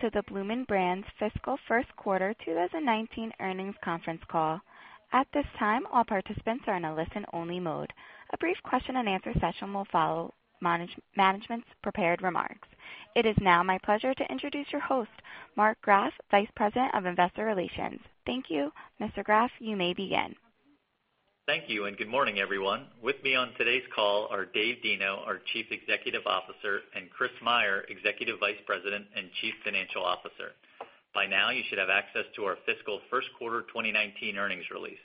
To the Bloomin' Brands fiscal first quarter 2019 earnings conference call. At this time, all participants are in a listen-only mode. A brief question and answer session will follow management's prepared remarks. It is now my pleasure to introduce your host, Mark Graff, Vice President of Investor Relations. Thank you. Mr. Graff, you may begin. Thank you. Good morning, everyone. With me on today's call are Dave Deno, our Chief Executive Officer, and Christopher Meyer, Executive Vice President and Chief Financial Officer. By now, you should have access to our fiscal first quarter 2019 earnings release.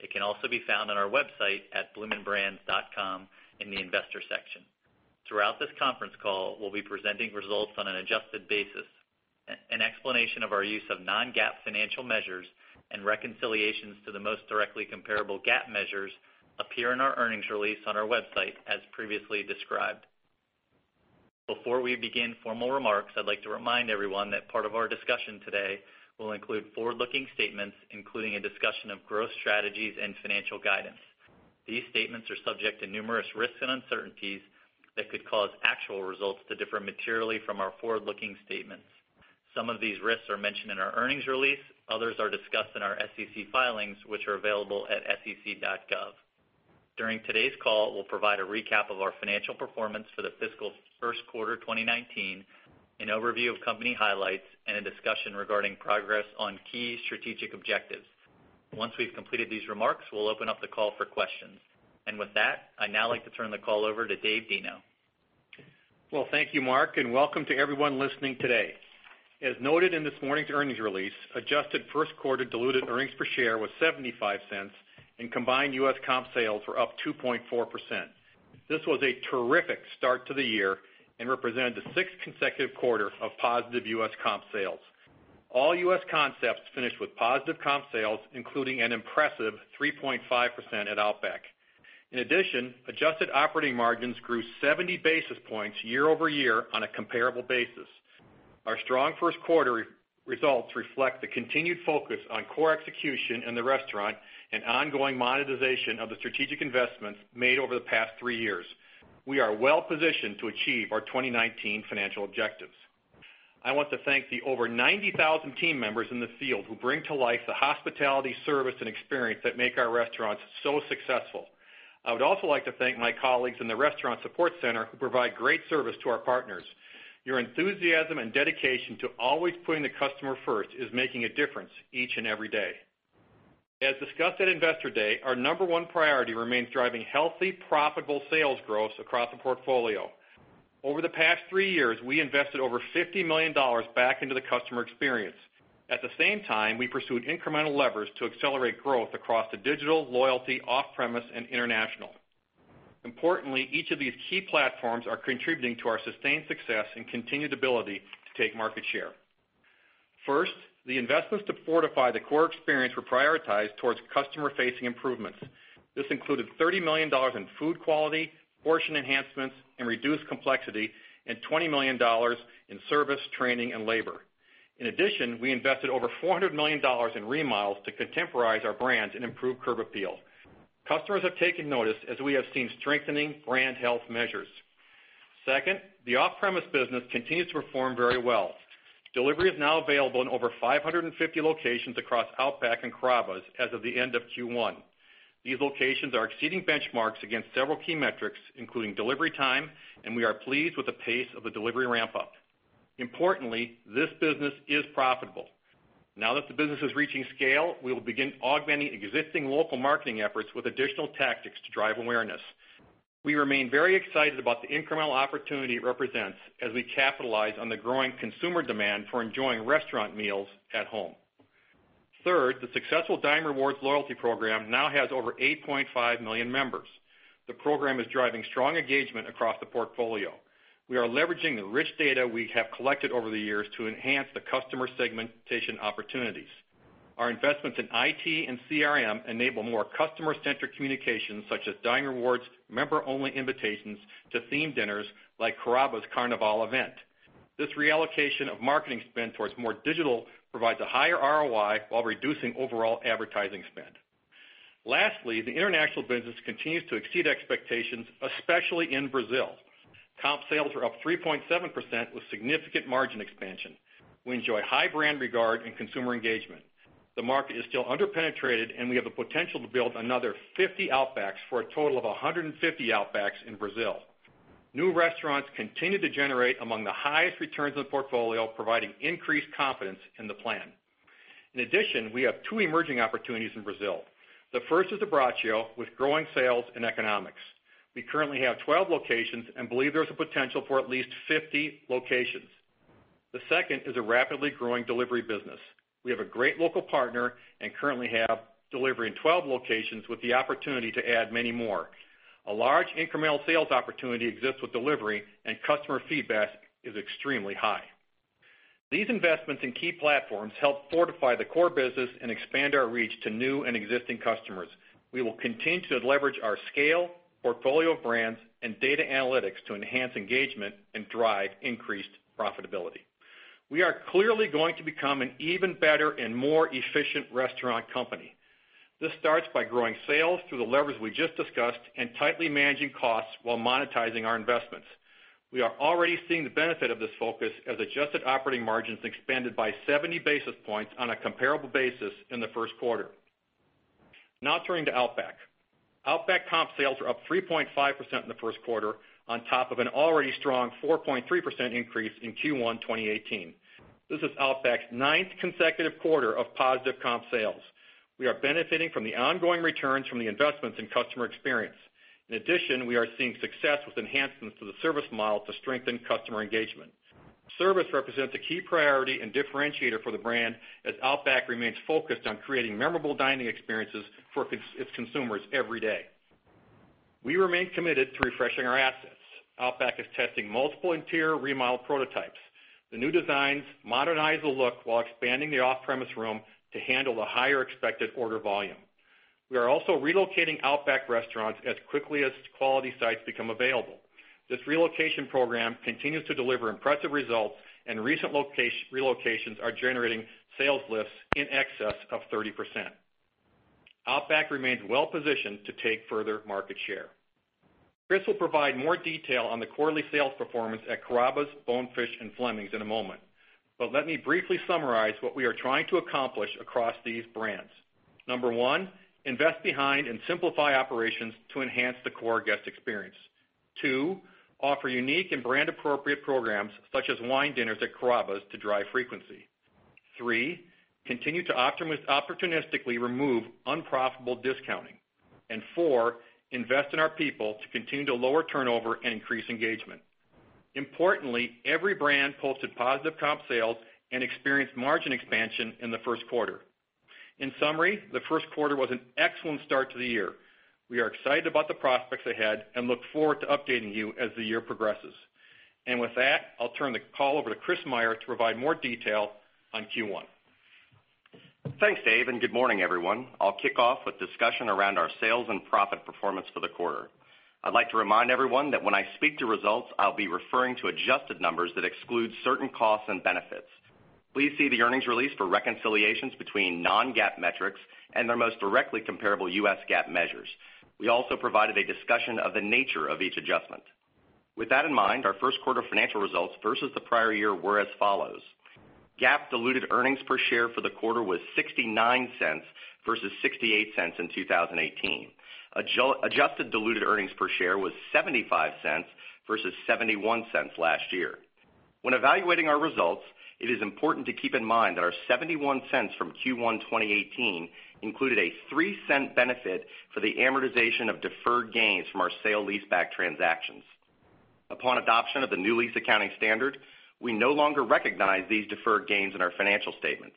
It can also be found on our website at bloominbrands.com in the investor section. Throughout this conference call, we'll be presenting results on an adjusted basis. An explanation of our use of non-GAAP financial measures and reconciliations to the most directly comparable GAAP measures appear in our earnings release on our website, as previously described. Before we begin formal remarks, I'd like to remind everyone that part of our discussion today will include forward-looking statements, including a discussion of growth strategies and financial guidance. These statements are subject to numerous risks and uncertainties that could cause actual results to differ materially from our forward-looking statements. Some of these risks are mentioned in our earnings release, others are discussed in our SEC filings, which are available at sec.gov. During today's call, we'll provide a recap of our financial performance for the fiscal first quarter 2019, an overview of company highlights, and a discussion regarding progress on key strategic objectives. Once we've completed these remarks, we'll open up the call for questions. With that, I'd now like to turn the call over to Dave Deno. Well, thank you, Mark. Welcome to everyone listening today. As noted in this morning's earnings release, adjusted first quarter diluted earnings per share was $0.75, and combined U.S. comp sales were up 2.4%. This was a terrific start to the year and represented the sixth consecutive quarter of positive U.S. comp sales. All U.S. concepts finished with positive comp sales, including an impressive 3.5% at Outback. In addition, adjusted operating margins grew 70 basis points year-over-year on a comparable basis. Our strong first quarter results reflect the continued focus on core execution in the restaurant and ongoing monetization of the strategic investments made over the past three years. We are well positioned to achieve our 2019 financial objectives. I want to thank the over 90,000 team members in the field who bring to life the hospitality, service, and experience that make our restaurants so successful. I would also like to thank my colleagues in the restaurant support center who provide great service to our partners. Your enthusiasm and dedication to always putting the customer first is making a difference each and every day. As discussed at Investor Day, our number one priority remains driving healthy, profitable sales growth across the portfolio. Over the past three years, we invested over $50 million back into the customer experience. At the same time, we pursued incremental levers to accelerate growth across the digital, loyalty, off-premise, and international. Importantly, each of these key platforms are contributing to our sustained success and continued ability to take market share. First, the investments to fortify the core experience were prioritized towards customer-facing improvements. This included $30 million in food quality, portion enhancements, and reduced complexity, and $20 million in service, training, and labor. In addition, we invested over $400 million in remodels to contemporize our brands and improve curb appeal. Customers have taken notice as we have seen strengthening brand health measures. Second, the off-premise business continues to perform very well. Delivery is now available in over 550 locations across Outback and Carrabba's as of the end of Q1. These locations are exceeding benchmarks against several key metrics, including delivery time, and we are pleased with the pace of the delivery ramp-up. Importantly, this business is profitable. Now that the business is reaching scale, we will begin augmenting existing local marketing efforts with additional tactics to drive awareness. We remain very excited about the incremental opportunity it represents as we capitalize on the growing consumer demand for enjoying restaurant meals at home. Third, the successful Dine Rewards loyalty program now has over 8.5 million members. The program is driving strong engagement across the portfolio. We are leveraging the rich data we have collected over the years to enhance the customer segmentation opportunities. Our investments in IT and CRM enable more customer-centric communications, such as Dine Rewards member-only invitations to themed dinners like Carrabba's Carnevale event. This reallocation of marketing spend towards more digital provides a higher ROI while reducing overall advertising spend. Lastly, the international business continues to exceed expectations, especially in Brazil. Comp sales are up 3.7% with significant margin expansion. We enjoy high brand regard and consumer engagement. The market is still under-penetrated, and we have the potential to build another 50 Outbacks for a total of 150 Outbacks in Brazil. New restaurants continue to generate among the highest returns on the portfolio, providing increased confidence in the plan. In addition, we have two emerging opportunities in Brazil. The first is the Abbraccio with growing sales and economics. We currently have 12 locations and believe there's a potential for at least 50 locations. The second is a rapidly growing delivery business. We have a great local partner and currently have delivery in 12 locations with the opportunity to add many more. A large incremental sales opportunity exists with delivery, and customer feedback is extremely high. These investments in key platforms help fortify the core business and expand our reach to new and existing customers. We will continue to leverage our scale, portfolio of brands, and data analytics to enhance engagement and drive increased profitability. We are clearly going to become an even better and more efficient restaurant company. This starts by growing sales through the levers we just discussed and tightly managing costs while monetizing our investments. We are already seeing the benefit of this focus as adjusted operating margins expanded by 70 basis points on a comparable basis in the first quarter. Now turning to Outback. Outback comp sales are up 3.5% in the first quarter on top of an already strong 4.3% increase in Q1 2018. This is Outback's ninth consecutive quarter of positive comp sales. We are benefiting from the ongoing returns from the investments in customer experience. In addition, we are seeing success with enhancements to the service model to strengthen customer engagement. Service represents a key priority and differentiator for the brand, as Outback remains focused on creating memorable dining experiences for its consumers every day. We remain committed to refreshing our assets. Outback is testing multiple interior remodel prototypes. The new designs modernize the look while expanding the off-premise room to handle the higher expected order volume. We are also relocating Outback restaurants as quickly as quality sites become available. This relocation program continues to deliver impressive results, and recent relocations are generating sales lifts in excess of 30%. Outback remains well positioned to take further market share. Chris will provide more detail on the quarterly sales performance at Carrabba's, Bonefish, and Fleming's in a moment. But let me briefly summarize what we are trying to accomplish across these brands. Number one, invest behind and simplify operations to enhance the core guest experience. Two, offer unique and brand-appropriate programs, such as wine dinners at Carrabba's, to drive frequency. Three, continue to opportunistically remove unprofitable discounting. Four, invest in our people to continue to lower turnover and increase engagement. Importantly, every brand posted positive comp sales and experienced margin expansion in the first quarter. In summary, the first quarter was an excellent start to the year. We are excited about the prospects ahead and look forward to updating you as the year progresses. With that, I'll turn the call over to Chris Meyer to provide more detail on Q1. Thanks, Dave, and good morning, everyone. I'll kick off with discussion around our sales and profit performance for the quarter. I'd like to remind everyone that when I speak to results, I'll be referring to adjusted numbers that exclude certain costs and benefits. Please see the earnings release for reconciliations between non-GAAP metrics and their most directly comparable U.S. GAAP measures. We also provided a discussion of the nature of each adjustment. With that in mind, our first quarter financial results versus the prior year were as follows. GAAP diluted earnings per share for the quarter was $0.69 versus $0.68 in 2018. Adjusted diluted earnings per share was $0.75 versus $0.71 last year. When evaluating our results, it is important to keep in mind that our $0.71 from Q1 2018 included a $0.03 benefit for the amortization of deferred gains from our sale-leaseback transactions. Upon adoption of the new lease accounting standard, we no longer recognize these deferred gains in our financial statements.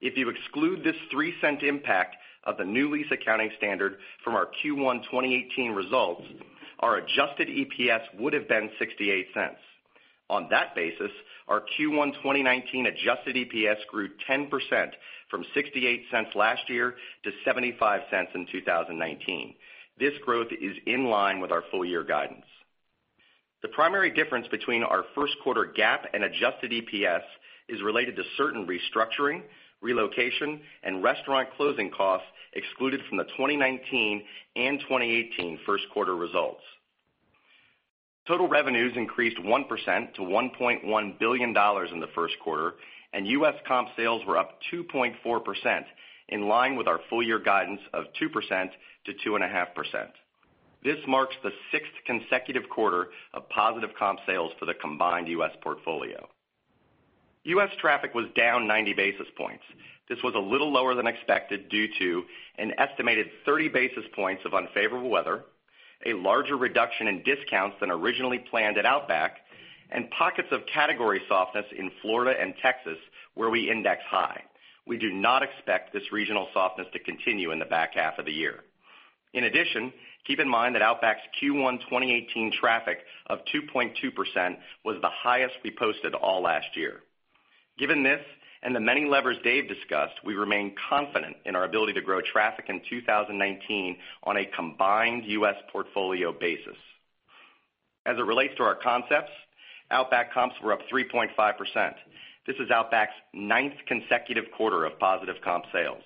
If you exclude this $0.03 impact of the new lease accounting standard from our Q1 2018 results, our adjusted EPS would have been $0.68. On that basis, our Q1 2019 adjusted EPS grew 10%, from $0.68 last year to $0.75 in 2019. This growth is in line with our full-year guidance. The primary difference between our first quarter GAAP and adjusted EPS is related to certain restructuring, relocation, and restaurant closing costs excluded from the 2019 and 2018 first quarter results. Total revenues increased 1% to $1.1 billion in the first quarter, and U.S. comp sales were up 2.4%, in line with our full year guidance of 2%-2.5%. This marks the sixth consecutive quarter of positive comp sales for the combined U.S. portfolio. U.S. traffic was down 90 basis points. This was a little lower than expected due to an estimated 30 basis points of unfavorable weather, a larger reduction in discounts than originally planned at Outback, and pockets of category softness in Florida and Texas, where we index high. We do not expect this regional softness to continue in the back half of the year. In addition, keep in mind that Outback's Q1 2018 traffic of 2.2% was the highest we posted all last year. Given this and the many levers Dave discussed, we remain confident in our ability to grow traffic in 2019 on a combined U.S. portfolio basis. As it relates to our concepts, Outback comps were up 3.5%. This is Outback's ninth consecutive quarter of positive comp sales.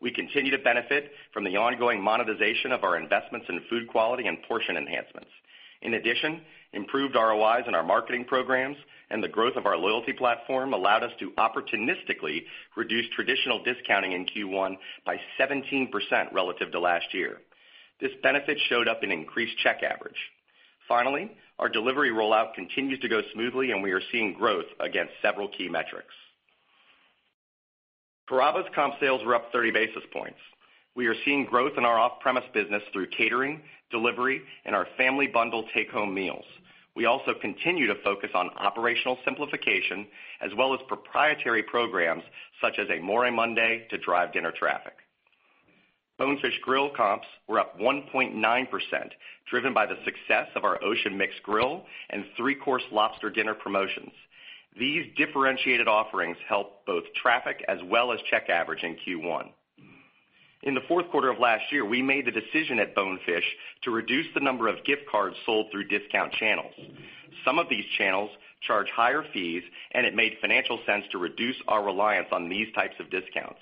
We continue to benefit from the ongoing monetization of our investments in food quality and portion enhancements. In addition, improved ROIs in our marketing programs and the growth of our loyalty platform allowed us to opportunistically reduce traditional discounting in Q1 by 17% relative to last year. This benefit showed up in increased check average. Finally, our delivery rollout continues to go smoothly, and we are seeing growth against several key metrics. Carrabba's comp sales were up 30 basis points. We are seeing growth in our off-premise business through catering, delivery, and our family bundle take-home meals. We also continue to focus on operational simplification as well as proprietary programs such as Amore Mondays to drive dinner traffic. Bonefish Grill comps were up 1.9%, driven by the success of our Ocean Mix Grill and Three-Course Lobster Dinner promotions. These differentiated offerings helped both traffic as well as check average in Q1. In the fourth quarter of last year, we made the decision at Bonefish to reduce the number of gift cards sold through discount channels. Some of these channels charge higher fees, and it made financial sense to reduce our reliance on these types of discounts.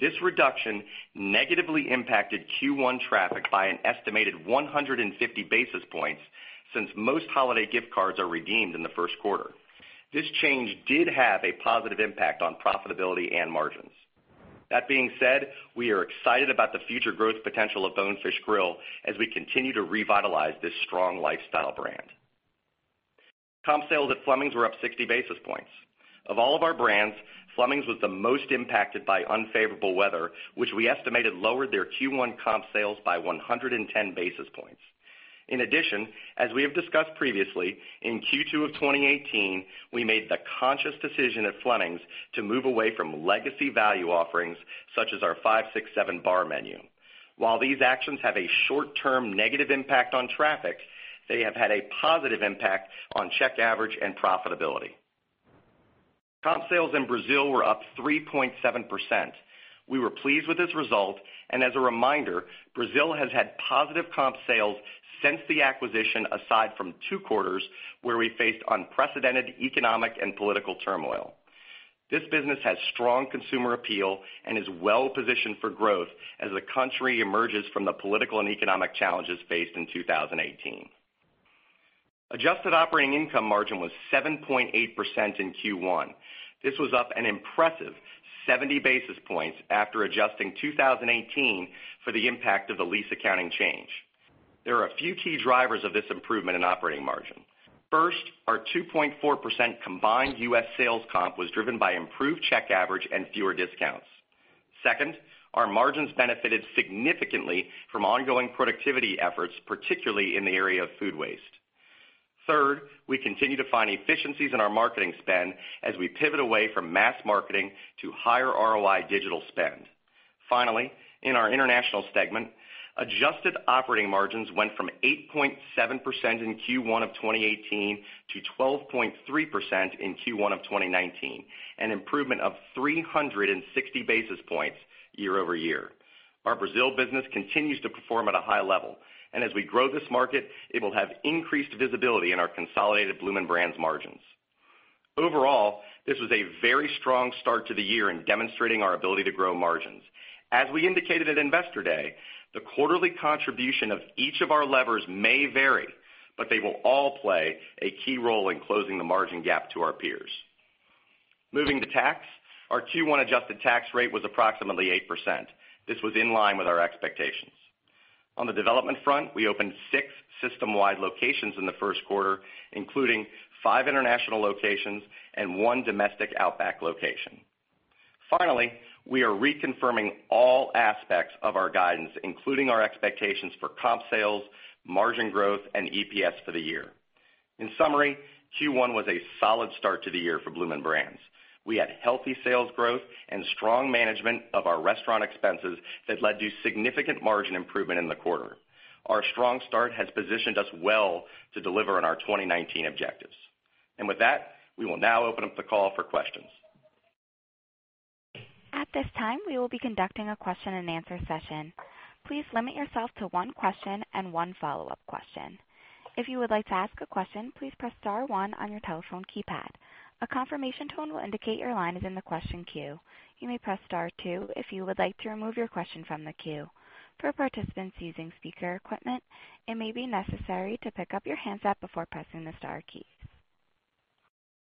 This reduction negatively impacted Q1 traffic by an estimated 150 basis points since most holiday gift cards are redeemed in the first quarter. This change did have a positive impact on profitability and margins. That being said, we are excited about the future growth potential of Bonefish Grill as we continue to revitalize this strong lifestyle brand. Comp sales at Fleming's were up 60 basis points. Of all of our brands, Fleming's was the most impacted by unfavorable weather, which we estimated lowered their Q1 comp sales by 110 basis points. In addition, as we have discussed previously, in Q2 of 2018, we made the conscious decision at Fleming's to move away from legacy value offerings such as our 5-6-7 Bar menu. While these actions have a short-term negative impact on traffic, they have had a positive impact on check average and profitability. Comp sales in Brazil were up 3.7%. We were pleased with this result, and as a reminder, Brazil has had positive comp sales since the acquisition, aside from two quarters where we faced unprecedented economic and political turmoil. This business has strong consumer appeal and is well-positioned for growth as the country emerges from the political and economic challenges faced in 2018. Adjusted operating income margin was 7.8% in Q1. This was up an impressive 70 basis points after adjusting 2018 for the impact of the lease accounting change. There are a few key drivers of this improvement in operating margin. First, our 2.4% combined U.S. sales comp was driven by improved check average and fewer discounts. Second, our margins benefited significantly from ongoing productivity efforts, particularly in the area of food waste. Third, we continue to find efficiencies in our marketing spend as we pivot away from mass marketing to higher ROI digital spend. In our international segment, adjusted operating margins went from 8.7% in Q1 of 2018 to 12.3% in Q1 of 2019, an improvement of 360 basis points year-over-year. Our Brazil business continues to perform at a high level, and as we grow this market, it will have increased visibility in our consolidated Bloomin' Brands margins. This was a very strong start to the year in demonstrating our ability to grow margins. As we indicated at Investor Day, the quarterly contribution of each of our levers may vary, but they will all play a key role in closing the margin gap to our peers. Moving to tax, our Q1 adjusted tax rate was approximately 8%. This was in line with our expectations. On the development front, we opened six system-wide locations in the first quarter, including five international locations and one domestic Outback location. We are reconfirming all aspects of our guidance, including our expectations for comp sales, margin growth, and EPS for the year. Q1 was a solid start to the year for Bloomin' Brands. We had healthy sales growth and strong management of our restaurant expenses that led to significant margin improvement in the quarter. Our strong start has positioned us well to deliver on our 2019 objectives. With that, we will now open up the call for questions. At this time, we will be conducting a question and answer session. Please limit yourself to one question and one follow-up question. If you would like to ask a question, please press star one on your telephone keypad. A confirmation tone will indicate your line is in the question queue. You may press star two if you would like to remove your question from the queue. For participants using speaker equipment, it may be necessary to pick up your handset before pressing the star key.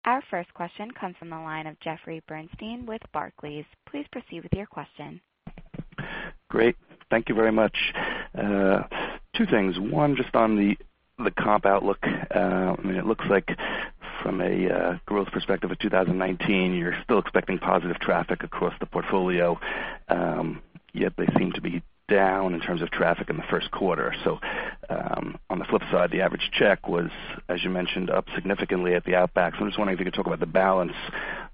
Our first question comes from the line of Jeffrey Bernstein with Barclays. Please proceed with your question. Great. Thank you very much. Two things. One, just on the comp outlook. It looks like from a growth perspective of 2019, you're still expecting positive traffic across the portfolio, yet they seem to be down in terms of traffic in the first quarter. On the flip side, the average check was, as you mentioned, up significantly at the Outback Steakhouse. I'm just wondering if you could talk about the balance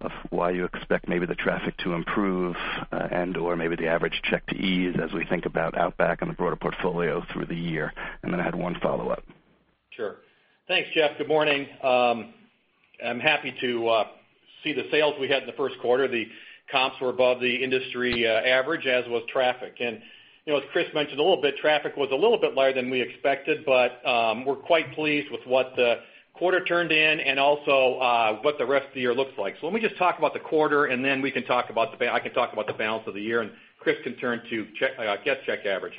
of why you expect maybe the traffic to improve and/or maybe the average check to ease as we think about Outback Steakhouse and the broader portfolio through the year. Then I had one follow-up. Sure. Thanks, Jeff. Good morning. I'm happy to see the sales we had in the first quarter. The comps were above the industry average, as was traffic. As Chris mentioned a little bit, traffic was a little bit lower than we expected, but we're quite pleased with what the quarter turned in and also what the rest of the year looks like. Let me just talk about the quarter, then I can talk about the balance of the year, and Chris can turn to guest check average.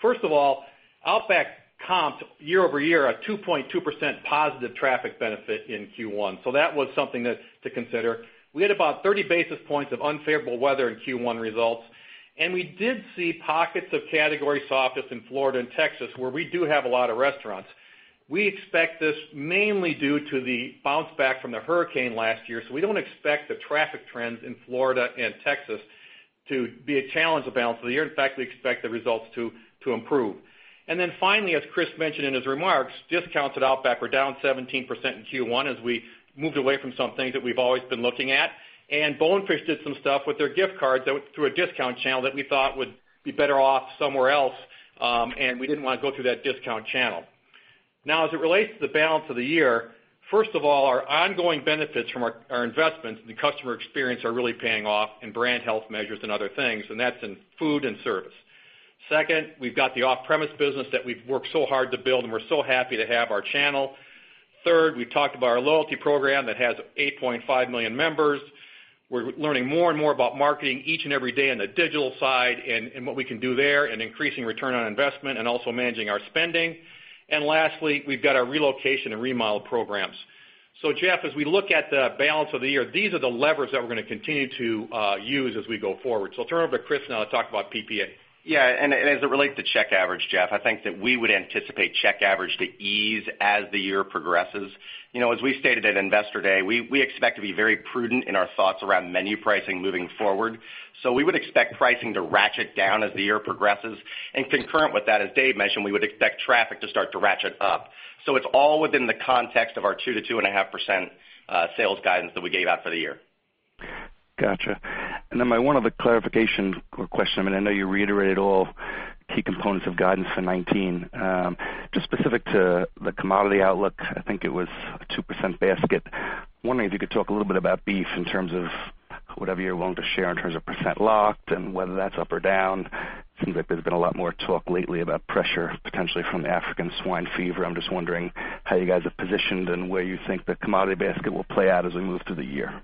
First of all, Outback Steakhouse comps year-over-year are 2.2% positive traffic benefit in Q1, that was something to consider. We had about 30 basis points of unfavorable weather in Q1 results, we did see pockets of category softness in Florida and Texas, where we do have a lot of restaurants. We expect this mainly due to the bounce back from the hurricane last year, we don't expect the traffic trends in Florida and Texas to be a challenge the balance of the year. In fact, we expect the results to improve. Then finally, as Chris mentioned in his remarks, discounts at Outback Steakhouse were down 17% in Q1 as we moved away from some things that we've always been looking at. Bonefish Grill did some stuff with their gift cards through a discount channel that we thought would be better off somewhere else, and we didn't want to go through that discount channel. Now, as it relates to the balance of the year, first of all, our ongoing benefits from our investments in the customer experience are really paying off in brand health measures and other things, that's in food and service. Second, we've got the off-premise business that we've worked so hard to build, and we're so happy to have our channel. Third, we talked about our loyalty program that has 8.5 million members. We're learning more and more about marketing each and every day in the digital side and what we can do there, and increasing ROI and also managing our spending. Lastly, we've got our relocation and remodel programs. Jeff, as we look at the balance of the year, these are the levers that we're going to continue to use as we go forward. I'll turn it over to Chris now to talk about PPA. Yeah, as it relates to check average, Jeff, I think that we would anticipate check average to ease as the year progresses. As we stated at Investor Day, we expect to be very prudent in our thoughts around menu pricing moving forward. We would expect pricing to ratchet down as the year progresses, and concurrent with that, as Dave mentioned, we would expect traffic to start to ratchet up. It's all within the context of our 2%-2.5% sales guidance that we gave out for the year. Got you. My one other clarification question, I know you reiterated all key components of guidance for 2019. Just specific to the commodity outlook, I think it was a 2% basket. Wondering if you could talk a little bit about beef in terms of whatever you're willing to share in terms of % locked and whether that's up or down. Seems like there's been a lot more talk lately about pressure, potentially from African swine fever. I'm just wondering how you guys are positioned and where you think the commodity basket will play out as we move through the year.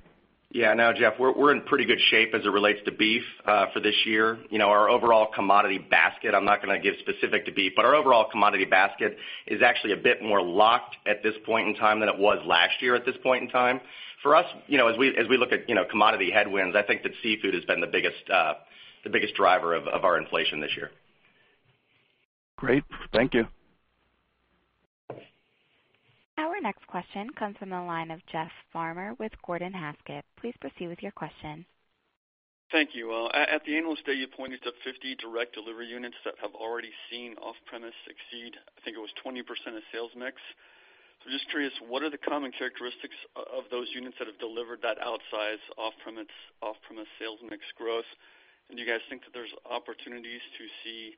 Yeah, no, Jeff, we're in pretty good shape as it relates to beef for this year. Our overall commodity basket, I'm not going to give specific to beef, but our overall commodity basket is actually a bit more locked at this point in time than it was last year at this point in time. For us, as we look at commodity headwinds, I think that seafood has been the biggest driver of our inflation this year. Great. Thank you. Our next question comes from the line of Jeff Farmer with Gordon Haskett. Please proceed with your question. Thank you. At the Analyst Day, you pointed to 50 direct delivery units that have already seen off-premise exceed, I think it was 20% of sales mix. I'm just curious, what are the common characteristics of those units that have delivered that outsized off-premise sales mix growth? Do you guys think that there's opportunities to see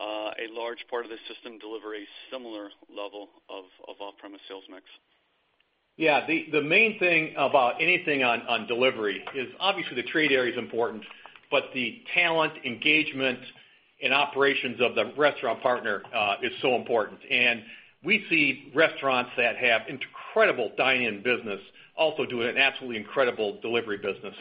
a large part of the system deliver a similar level of off-premise sales mix? Yeah. The main thing about anything on delivery is obviously the trade area is important, but the talent engagement in operations of the restaurant partner is so important. We see restaurants that have incredible dine-in business also do an absolutely incredible delivery business.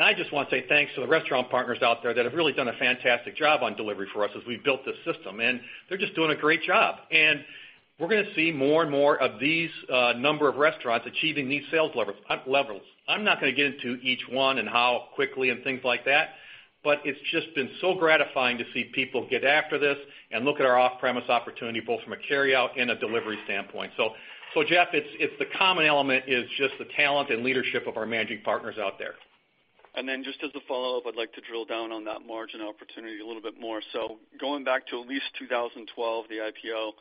I just want to say thanks to the restaurant partners out there that have really done a fantastic job on delivery for us as we built this system. They're just doing a great job. We're going to see more and more of these number of restaurants achieving these sales levels. I'm not going to get into each one and how quickly and things like that, but it's just been so gratifying to see people get after this and look at our off-premise opportunity, both from a carryout and a delivery standpoint. Jeff, the common element is just the talent and leadership of our managing partners out there. Just as a follow-up, I'd like to drill down on that margin opportunity a little bit more. Going back to at least 2012, the IPO,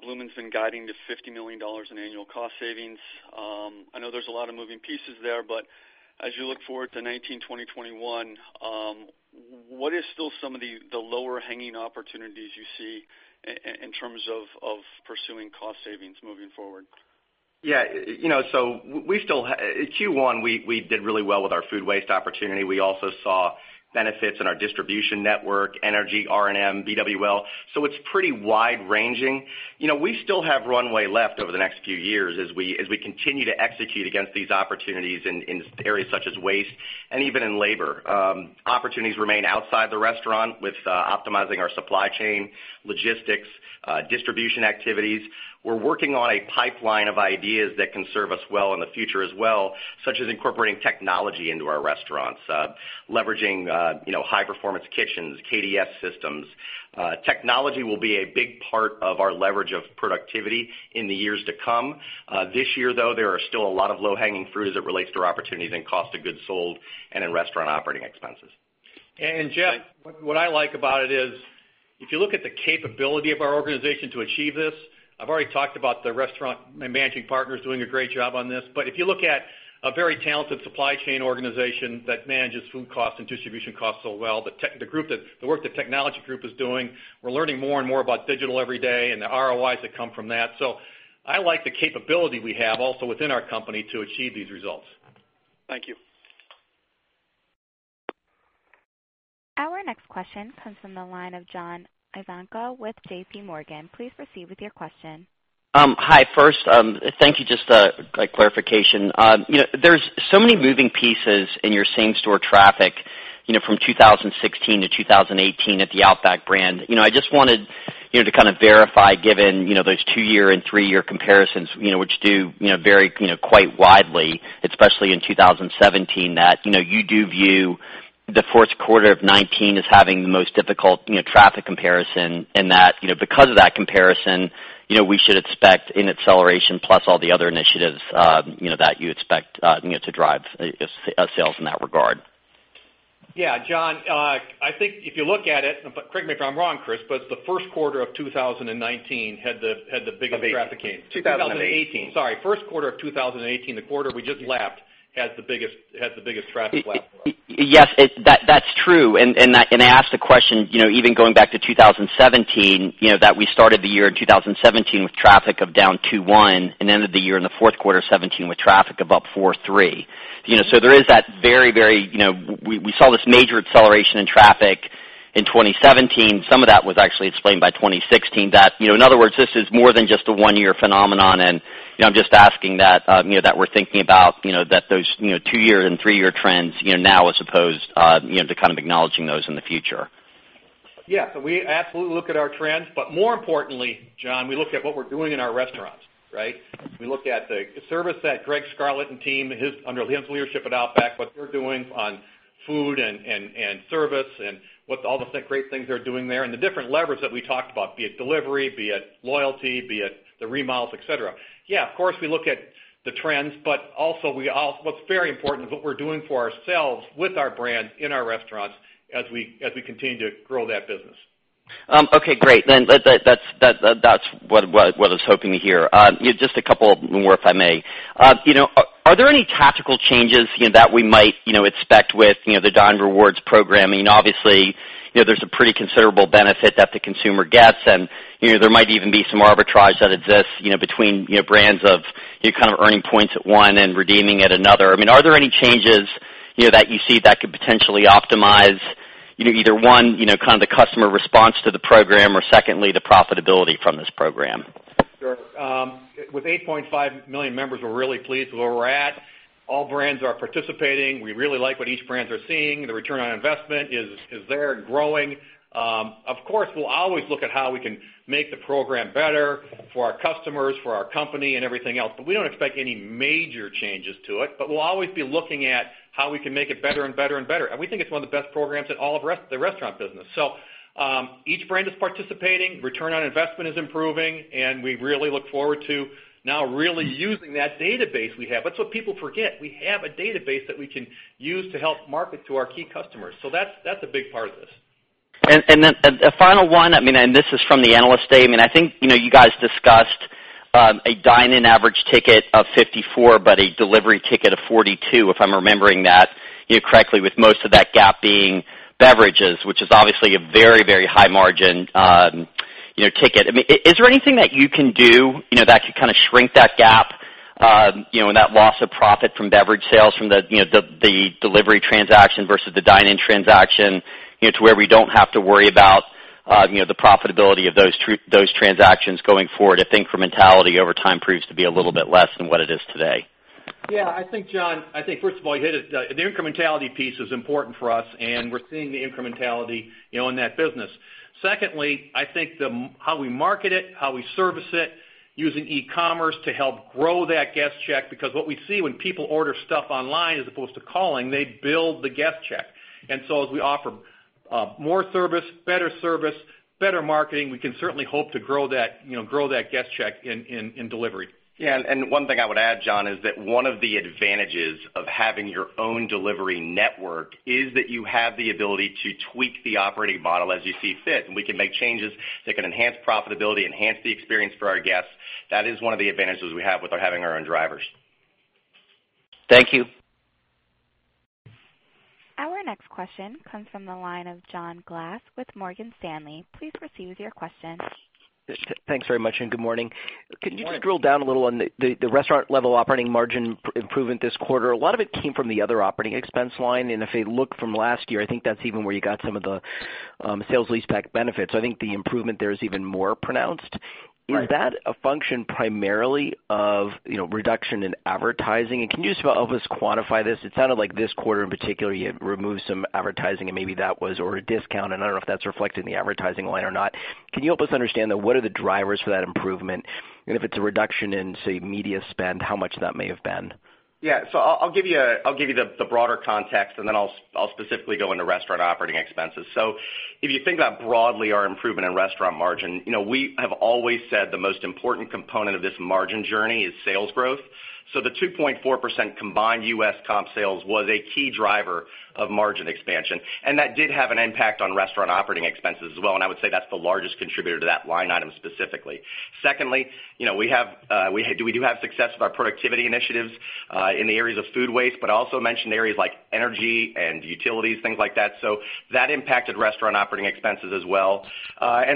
Bloomin' Brands' been guiding to $50 million in annual cost savings. I know there's a lot of moving pieces there, but as you look forward to 2019, 2020, 2021, what is still some of the lower hanging opportunities you see in terms of pursuing cost savings moving forward? Q1, we did really well with our food waste opportunity. We also saw benefits in our distribution network, energy, R&M, BWL. It's pretty wide ranging. We still have runway left over the next few years as we continue to execute against these opportunities in areas such as waste and even in labor. Opportunities remain outside the restaurant with optimizing our supply chain, logistics, distribution activities. We're working on a pipeline of ideas that can serve us well in the future as well, such as incorporating technology into our restaurants, leveraging high performance kitchens, KDS systems. Technology will be a big part of our leverage of productivity in the years to come. This year, though, there are still a lot of low-hanging fruit as it relates to opportunities in cost of goods sold and in restaurant operating expenses. Jeff, what I like about it is, if you look at the capability of our organization to achieve this, I've already talked about the restaurant managing partners doing a great job on this, but if you look at a very talented supply chain organization that manages food cost and distribution cost so well, the work the technology group is doing, we're learning more and more about digital every day and the ROIs that come from that. I like the capability we have also within our company to achieve these results. Thank you. Our next question comes from the line of John Ivankoe with JPMorgan. Please proceed with your question. Hi. First, thank you. Just a clarification. There's so many moving pieces in your same-store traffic from 2016 to 2018 at the Outback brand. I just wanted to kind of verify, given those two-year and three-year comparisons, which do vary quite widely, especially in 2017, that you do view the fourth quarter of 2019 as having the most difficult traffic comparison, and that because of that comparison, we should expect an acceleration plus all the other initiatives that you expect to drive sales in that regard. Yeah. John, I think if you look at it, correct me if I'm wrong, Chris, the first quarter of 2019 had the biggest traffic increase. Of 2018. 2018. Sorry. First quarter of 2018, the quarter we just lapped, had the biggest traffic lap for us. Yes, that's true. I asked the question even going back to 2017, that we started the year in 2017 with traffic of down 2.1 and ended the year in the fourth quarter 2017 with traffic of up 4.3. There is that very, we saw this major acceleration in traffic in 2017. Some of that was actually explained by 2016. In other words, this is more than just a one-year phenomenon, and I'm just asking that we're thinking about those two-year and three-year trends now as opposed to acknowledging those in the future. Yeah. We absolutely look at our trends, but more importantly, John, we look at what we're doing in our restaurants. Right? We look at the service that Gregg Scarlett and team, under Liam's leadership at Outback, what they're doing on food and service, and all the great things they're doing there, and the different levers that we talked about, be it delivery, be it loyalty, be it the remodels, et cetera. Yeah, of course, we look at the trends, also what's very important is what we're doing for ourselves with our brand in our restaurants as we continue to grow that business. Okay, great. That's what I was hoping to hear. Just a couple more, if I may. Are there any tactical changes that we might expect with the Dine Rewards program? Obviously, there's a pretty considerable benefit that the consumer gets, and there might even be some arbitrage that exists between brands of you're kind of earning points at one and redeeming at another. Are there any changes that you see that could potentially optimize either one, kind of the customer response to the program, or secondly, the profitability from this program? Sure. With 8.5 million members, we're really pleased with where we're at. All brands are participating. We really like what each brands are seeing. The return on investment is there and growing. Of course, we'll always look at how we can make the program better for our customers, for our company and everything else, we don't expect any major changes to it. We'll always be looking at how we can make it better and better. We think it's one of the best programs in all of the restaurant business. Each brand is participating, return on investment is improving, and we really look forward to now really using that database we have. That's what people forget. We have a database that we can use to help market to our key customers. That's a big part of this. Then a final one, and this is from the analyst statement. I think you guys discussed a dine-in average ticket of $54, but a delivery ticket of $42, if I'm remembering that correctly, with most of that gap being beverages, which is obviously a very high margin ticket. Is there anything that you can do that could kind of shrink that gap and that loss of profit from beverage sales from the delivery transaction versus the dine-in transaction to where we don't have to worry about the profitability of those transactions going forward if incrementality over time proves to be a little bit less than what it is today? Yeah, I think, John, first of all, the incrementality piece is important for us, we're seeing the incrementality in that business. Secondly, I think how we market it, how we service it, using e-commerce to help grow that guest check, because what we see when people order stuff online as opposed to calling, they build the guest check. As we offer more service, better service, better marketing, we can certainly hope to grow that guest check in delivery. One thing I would add, John, is that one of the advantages of having your own delivery network is that you have the ability to tweak the operating model as you see fit. We can make changes that can enhance profitability, enhance the experience for our guests. That is one of the advantages we have with having our own drivers. Thank you. Our next question comes from the line of John Glass with Morgan Stanley. Please proceed with your question. Thanks very much. Good morning. Good morning. Can you just drill down a little on the restaurant level operating margin improvement this quarter? A lot of it came from the other operating expense line, and if we look from last year, I think that's even where you got some of the sales leaseback benefits. I think the improvement there is even more pronounced. Right. Is that a function primarily of reduction in advertising? Can you just help us quantify this? It sounded like this quarter in particular, you had removed some advertising and maybe that was, or a discount, and I don't know if that's reflected in the advertising line or not. Can you help us understand what are the drivers for that improvement? If it's a reduction in, say, media spend, how much that may have been? Yeah. I'll give you the broader context, and then I'll specifically go into restaurant operating expenses. If you think about broadly our improvement in restaurant margin, we have always said the most important component of this margin journey is sales growth. The 2.4% combined U.S. comp sales was a key driver of margin expansion, and that did have an impact on restaurant operating expenses as well, and I would say that's the largest contributor to that line item specifically. Secondly, we do have success with our productivity initiatives, in the areas of food waste, but I also mentioned areas like energy and utilities, things like that. That impacted restaurant operating expenses as well.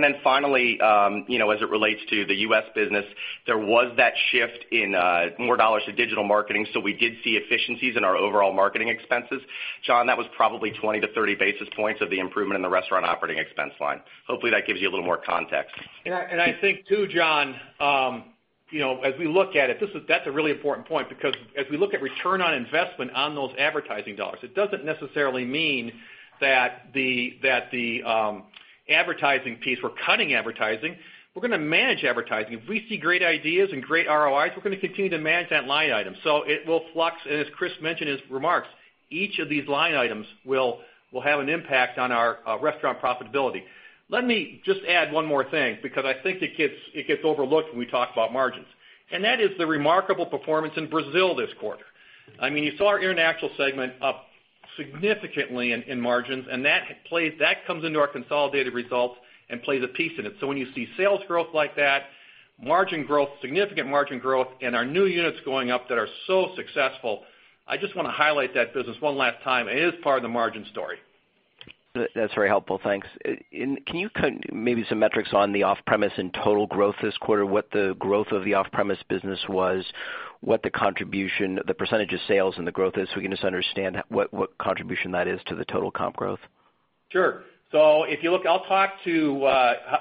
Then finally, as it relates to the U.S. business, there was that shift in more dollars to digital marketing. We did see efficiencies in our overall marketing expenses. John, that was probably 20 to 30 basis points of the improvement in the restaurant operating expense line. Hopefully, that gives you a little more context. I think too, John, as we look at it, that's a really important point because as we look at return on investment on those advertising dollars, it doesn't necessarily mean that the advertising piece, we're cutting advertising. We're going to manage advertising. If we see great ideas and great ROIs, we're going to continue to manage that line item. It will flux, and as Chris mentioned in his remarks, each of these line items will have an impact on our restaurant profitability. Let me just add one more thing, because I think it gets overlooked when we talk about margins, and that is the remarkable performance in Brazil this quarter. You saw our international segment up significantly in margins, and that comes into our consolidated results and plays a piece in it. When you see sales growth like that, margin growth, significant margin growth, and our new units going up that are so successful, I just want to highlight that business one last time. It is part of the margin story. That's very helpful. Thanks. Can you count maybe some metrics on the off-premise and total growth this quarter, what the growth of the off-premise business was, what the contribution, the % of sales and the growth is, so we can just understand what contribution that is to the total comp growth? Sure. If you look, I'll talk to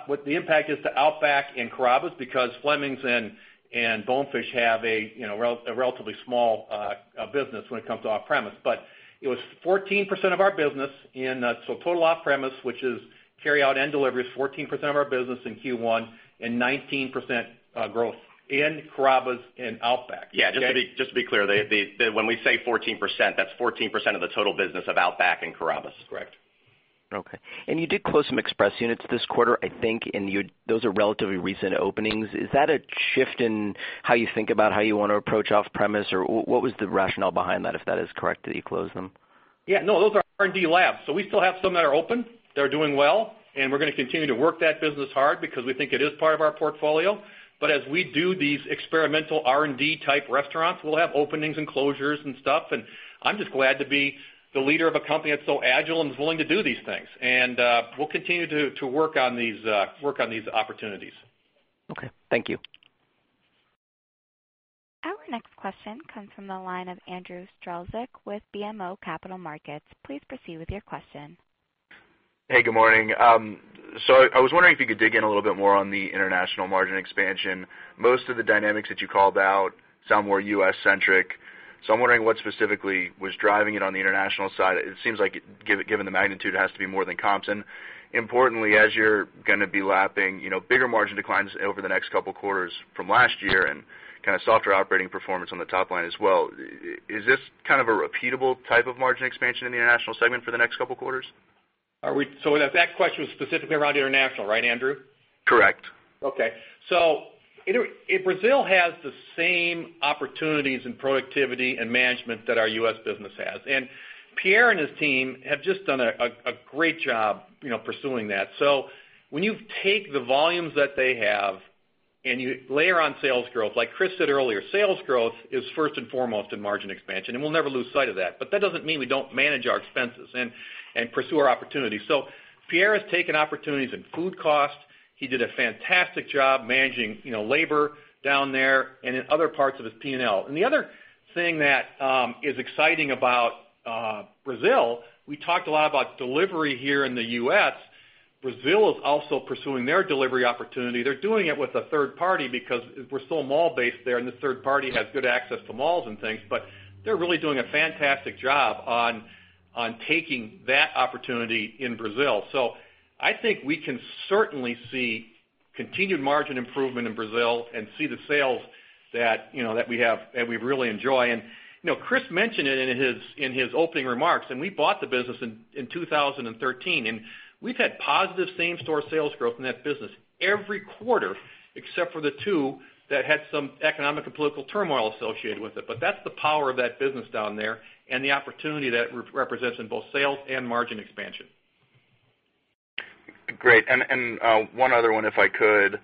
what the impact is to Outback Steakhouse and Carrabba's Italian Grill because Fleming's Prime Steakhouse & Wine Bar and Bonefish Grill have a relatively small business when it comes to off-premise. It was 14% of our business, total off-premise, which is carry out and delivery is 14% of our business in Q1 and 19% growth in Carrabba's Italian Grill and Outback Steakhouse. Yeah, just to be clear, when we say 14%, that's 14% of the total business of Outback Steakhouse and Carrabba's Italian Grill. Correct. Okay. You did close some express units this quarter, I think, and those are relatively recent openings. Is that a shift in how you think about how you want to approach off-premise? Or what was the rationale behind that, if that is correct, that you closed them? Yeah, no, those are R&D labs. We still have some that are open. They're doing well, and we're going to continue to work that business hard because we think it is part of our portfolio. As we do these experimental R&D type restaurants, we'll have openings and closures and stuff, and I'm just glad to be the leader of a company that's so agile and is willing to do these things. We'll continue to work on these opportunities. Okay. Thank you. Our next question comes from the line of Andrew Strelzik with BMO Capital Markets. Please proceed with your question. Hey, good morning. I was wondering if you could dig in a little bit more on the international margin expansion. Most of the dynamics that you called out sound more U.S.-centric, I'm wondering what specifically was driving it on the international side. It seems like, given the magnitude, it has to be more than comps. Importantly, as you're going to be lapping bigger margin declines over the next couple of quarters from last year and kind of softer operating performance on the top line as well, is this kind of a repeatable type of margin expansion in the international segment for the next couple quarters? That question was specifically around international, right, Andrew? Correct. Brazil has the same opportunities in productivity and management that our U.S. business has. Pierre and his team have just done a great job pursuing that. When you take the volumes that they have and you layer on sales growth, like Chris said earlier, sales growth is first and foremost in margin expansion. We'll never lose sight of that. That doesn't mean we don't manage our expenses and pursue our opportunities. Pierre has taken opportunities in food costs. He did a fantastic job managing labor down there and in other parts of his P&L. The other thing that is exciting about Brazil, we talked a lot about delivery here in the U.S. Brazil is also pursuing their delivery opportunity. They're doing it with a third party because we're so mall-based there. The third party has good access to malls and things, but they're really doing a fantastic job on taking that opportunity in Brazil. I think we can certainly see continued margin improvement in Brazil and see the sales that we really enjoy. Chris mentioned it in his opening remarks. We bought the business in 2013, and we've had positive same-store sales growth in that business every quarter except for the two that had some economic and political turmoil associated with it. That's the power of that business down there and the opportunity that represents in both sales and margin expansion. Great. One other one, if I could.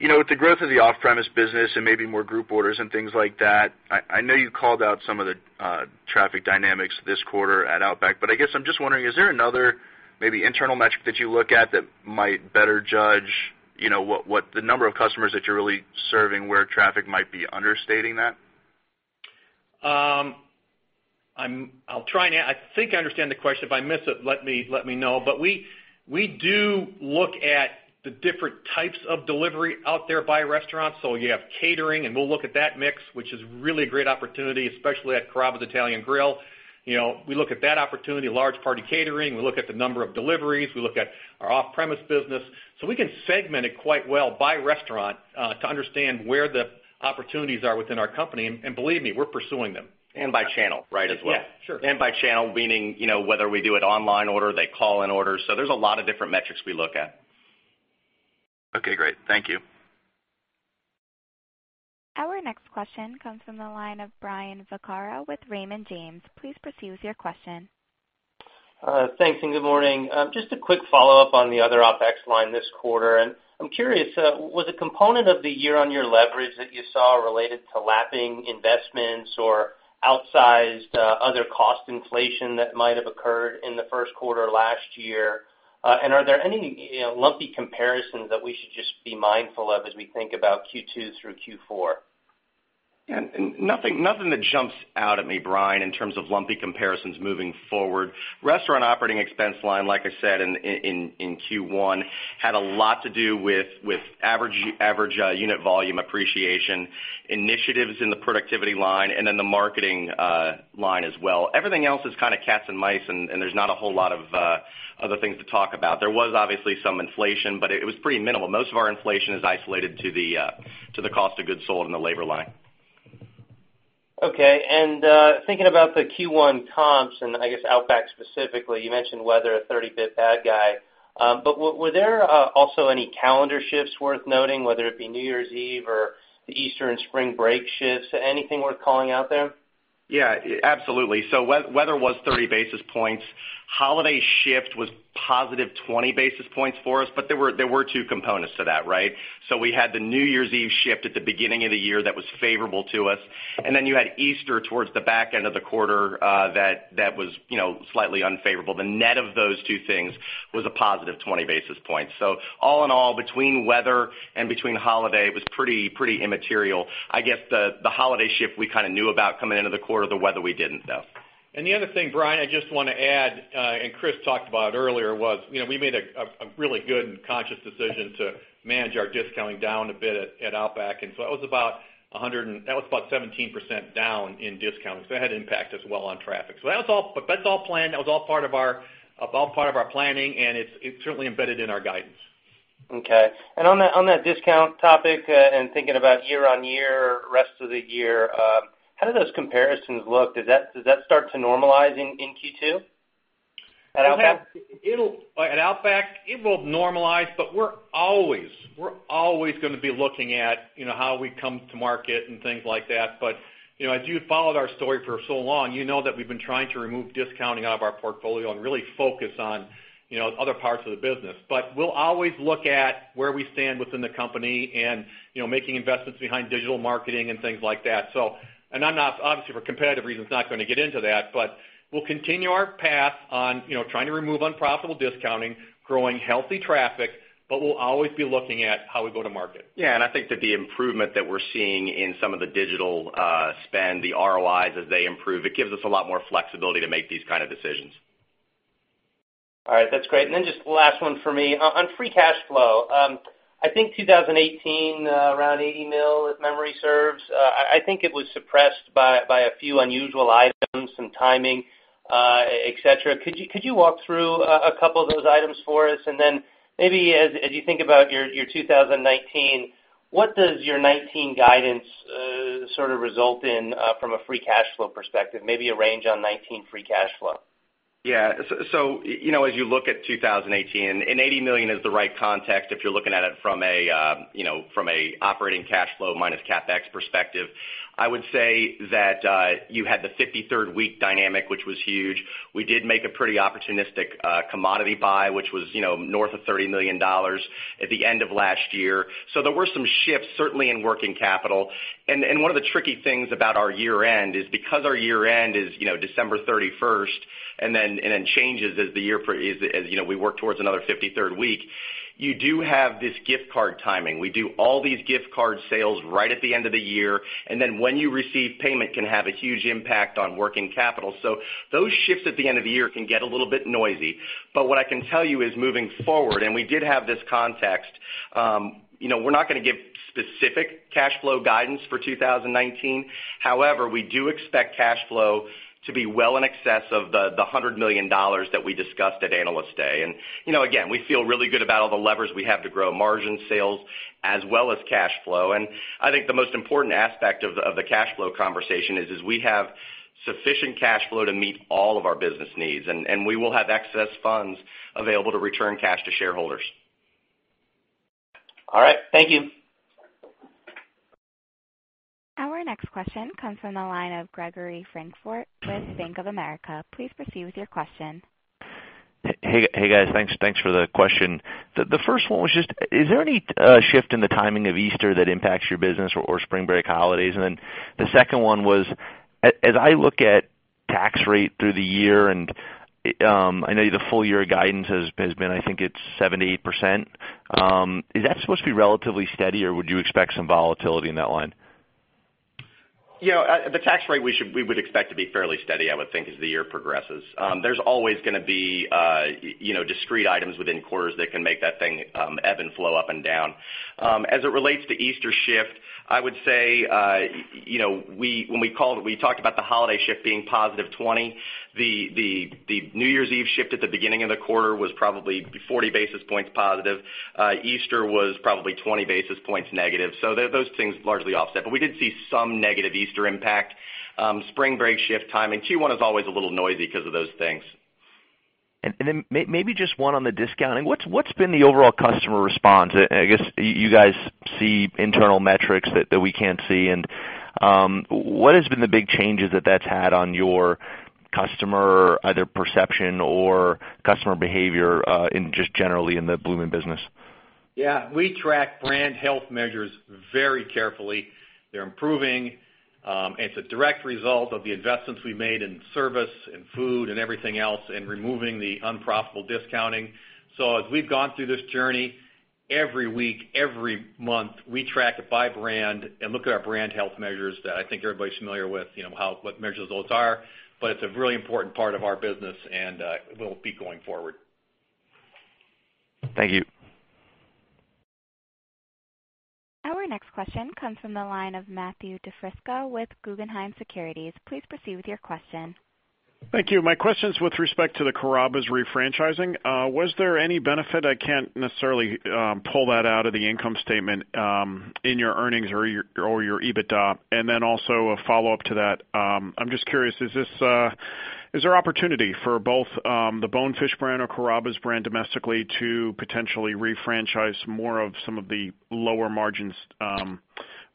With the growth of the off-premise business and maybe more group orders and things like that, I know you called out some of the traffic dynamics this quarter at Outback, but I guess I'm just wondering, is there another maybe internal metric that you look at that might better judge the number of customers that you're really serving where traffic might be understating that? I think I understand the question. If I miss it, let me know. We do look at the different types of delivery out there by restaurants. You have catering, and we'll look at that mix, which is really a great opportunity, especially at Carrabba's Italian Grill. We look at that opportunity, large party catering. We look at the number of deliveries. We look at our off-premise business. We can segment it quite well by restaurant to understand where the opportunities are within our company. Believe me, we're pursuing them. By channel, right, as well. Yeah, sure. By channel, meaning whether we do it online order, they call in orders. There's a lot of different metrics we look at. Okay, great. Thank you. Our next question comes from the line of Brian Vaccaro with Raymond James. Please proceed with your question. Thanks, and good morning. Just a quick follow-up on the other OpEx line this quarter. I'm curious, was a component of the year-on-year leverage that you saw related to lapping investments or outsized other cost inflation that might have occurred in the first quarter last year? Are there any lumpy comparisons that we should just be mindful of as we think about Q2 through Q4? Nothing that jumps out at me, Brian, in terms of lumpy comparisons moving forward. Restaurant operating expense line, like I said in Q1, had a lot to do with average unit volume appreciation, initiatives in the productivity line, and then the marketing line as well. Everything else is kind of cats and mice, there's not a whole lot of other things to talk about. There was obviously some inflation, it was pretty minimal. Most of our inflation is isolated to the cost of goods sold in the labor line. Okay. Thinking about the Q1 comps, and I guess Outback specifically, you mentioned weather, a 30 basis points bad guy. Were there also any calendar shifts worth noting, whether it be New Year's Eve or the Easter and spring break shifts? Anything worth calling out there? Yeah, absolutely. Weather was 30 basis points. Holiday shift was positive 20 basis points for us, but there were two components to that, right? We had the New Year's Eve shift at the beginning of the year that was favorable to us, and then you had Easter towards the back end of the quarter that was slightly unfavorable. The net of those two things was a positive 20 basis points. All in all, between weather and between holiday, it was pretty immaterial. I guess the holiday shift we kind of knew about coming into the quarter, the weather we didn't though. The other thing, Brian, I just want to add, and Chris talked about earlier, was we made a really good and conscious decision to manage our discounting down a bit at Outback. That was about 17% down in discounting. That had impact as well on traffic. That's all planned. That was all part of our planning, and it's certainly embedded in our guidance. Okay. On that discount topic, and thinking about year-over-year, rest of the year, how do those comparisons look? Does that start to normalize in Q2 at Outback? At Outback, it will normalize, but we're always going to be looking at how we come to market and things like that. As you followed our story for so long, you know that we've been trying to remove discounting out of our portfolio and really focus on other parts of the business. We'll always look at where we stand within the company and making investments behind digital marketing and things like that. I'm not, obviously, for competitive reasons, not going to get into that, but we'll continue our path on trying to remove unprofitable discounting, growing healthy traffic, but we'll always be looking at how we go to market. I think that the improvement that we're seeing in some of the digital spend, the ROIs, as they improve, it gives us a lot more flexibility to make these kind of decisions. All right. That's great. Just last one for me. On free cash flow, I think 2018, around $80 mil, if memory serves. I think it was suppressed by a few unusual items, some timing, et cetera. Could you walk through a couple of those items for us? Then maybe as you think about your 2019, what does your 2019 guidance sort of result in from a free cash flow perspective? Maybe a range on 2019 free cash flow. As you look at 2018, $80 million is the right context, if you're looking at it from an operating cash flow minus CapEx perspective. I would say that you had the 53rd week dynamic, which was huge. We did make a pretty opportunistic commodity buy, which was north of $30 million at the end of last year. There were some shifts, certainly in working capital. One of the tricky things about our year end is because our year end is December 31st and then changes as we work towards another 53rd week, you do have this gift card timing. We do all these gift card sales right at the end of the year, then when you receive payment can have a huge impact on working capital. Those shifts at the end of the year can get a little bit noisy. What I can tell you is moving forward, and we did have this context, we're not going to give specific cash flow guidance for 2019. However, we do expect cash flow to be well in excess of the $100 million that we discussed at Analyst Day. Again, we feel really good about all the levers we have to grow margin sales as well as cash flow. I think the most important aspect of the cash flow conversation is we have sufficient cash flow to meet all of our business needs, and we will have excess funds available to return cash to shareholders. All right. Thank you. Our next question comes from the line of Gregory Francfort with Bank of America. Please proceed with your question. Hey, guys. Thanks for the question. The first one was just, is there any shift in the timing of Easter that impacts your business or Spring Break holidays? The second one was, as I look at tax rate through the year, I know the full year guidance has been, I think it's 78%. Is that supposed to be relatively steady, or would you expect some volatility in that line? The tax rate we would expect to be fairly steady, I would think, as the year progresses. There's always going to be discrete items within quarters that can make that thing ebb and flow up and down. As it relates to Easter shift, I would say, when we talked about the holiday shift being positive 20, the New Year's Eve shift at the beginning of the quarter was probably 40 basis points positive. Easter was probably 20 basis points negative. Those things largely offset. We did see some negative Easter impact. Spring break shift timing, Q1 is always a little noisy because of those things. maybe just one on the discounting. What's been the overall customer response? I guess you guys see internal metrics that we can't see, and what has been the big changes that that's had on your customer, either perception or customer behavior in just generally in the Bloomin' business? We track brand health measures very carefully. They're improving. It's a direct result of the investments we made in service, in food, and everything else, and removing the unprofitable discounting. As we've gone through this journey, every week, every month, we track it by brand and look at our brand health measures that I think everybody's familiar with, what measures those are. It's a really important part of our business, and will be going forward. Thank you. Our next question comes from the line of Matthew DiFrisco with Guggenheim Securities. Please proceed with your question. Thank you. My question's with respect to the Carrabba's refranchising. Was there any benefit? I can't necessarily pull that out of the income statement, in your earnings or your EBITDA. Also a follow-up to that. I'm just curious, is there opportunity for both, the Bonefish brand or Carrabba's brand domestically to potentially refranchise more of some of the lower margins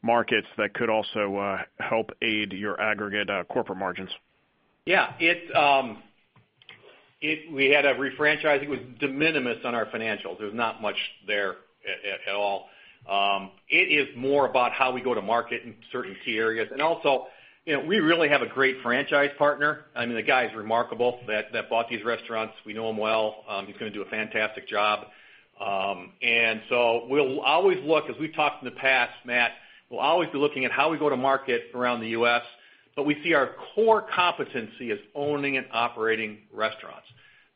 markets that could also help aid your aggregate corporate margins? Yeah. We had a refranchising with de minimis on our financials. There's not much there at all. It is more about how we go to market in certain key areas. We really have a great franchise partner. I mean, the guy is remarkable, that bought these restaurants. We know him well. He's going to do a fantastic job. We'll always look, as we've talked in the past, Matt, we'll always be looking at how we go to market around the U.S., but we see our core competency as owning and operating restaurants.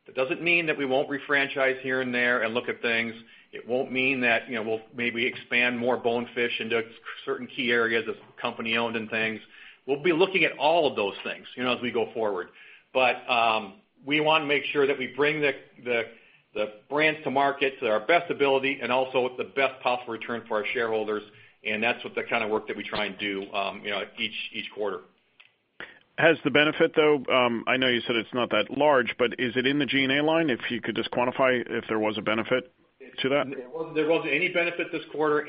That doesn't mean that we won't refranchise here and there and look at things. It won't mean that we'll maybe expand more Bonefish into certain key areas as company-owned and things. We'll be looking at all of those things as we go forward. We want to make sure that we bring the brands to market to our best ability and also with the best possible return for our shareholders, and that's what the kind of work that we try and do each quarter. Has the benefit, though, I know you said it's not that large, but is it in the G&A line? If you could just quantify if there was a benefit to that. There wasn't any benefit this quarter,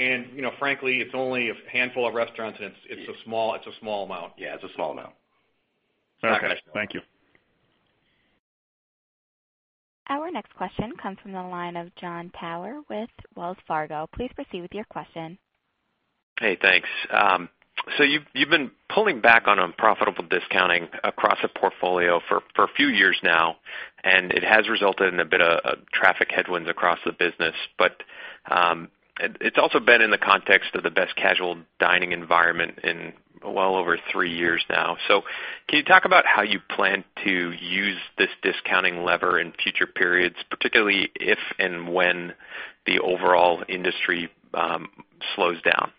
frankly, it's only a handful of restaurants, it's a small amount. Yeah. It's a small amount. Okay. Thank you. Our next question comes from the line of Jon Tower with Wells Fargo. Please proceed with your question. Hey, thanks. You've been pulling back on unprofitable discounting across a portfolio for a few years now, it has resulted in a bit of traffic headwinds across the business. It's also been in the context of the best casual dining environment in well over three years now. Can you talk about how you plan to use this discounting lever in future periods, particularly if and when the overall industry slows down?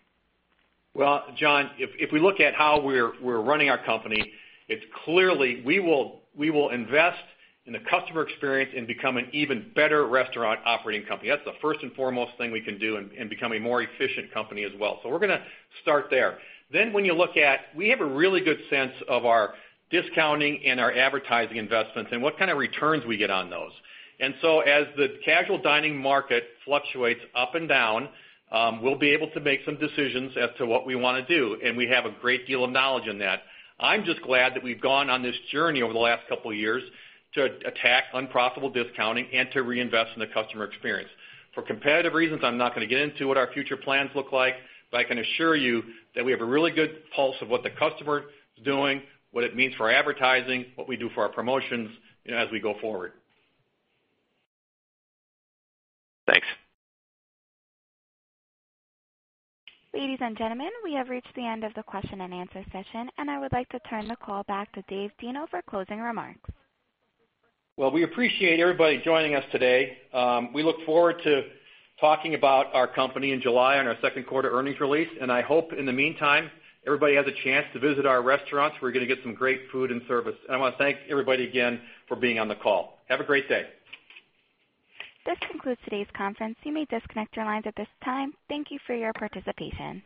Well, Jon, if we look at how we're running our company, it's clearly we will invest in the customer experience and become an even better restaurant operating company. That's the first and foremost thing we can do and become a more efficient company as well. We're going to start there. When you look at, we have a really good sense of our discounting and our advertising investments and what kind of returns we get on those. As the casual dining market fluctuates up and down, we'll be able to make some decisions as to what we want to do, and we have a great deal of knowledge in that. I'm just glad that we've gone on this journey over the last couple of years to attack unprofitable discounting and to reinvest in the customer experience. For competitive reasons, I'm not going to get into what our future plans look like, I can assure you that we have a really good pulse of what the customer is doing, what it means for advertising, what we do for our promotions as we go forward. Thanks. Ladies and gentlemen, we have reached the end of the question and answer session, I would like to turn the call back to Dave Deno for closing remarks. Well, we appreciate everybody joining us today. We look forward to talking about our company in July on our second quarter earnings release. I hope, in the meantime, everybody has a chance to visit our restaurants, where you're going to get some great food and service. I want to thank everybody again for being on the call. Have a great day. This concludes today's conference. You may disconnect your lines at this time. Thank you for your participation.